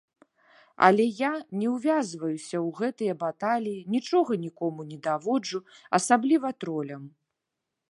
Але я не ўвязваюся ў гэтыя баталіі, нічога нікому не даводжу, асабліва тролям.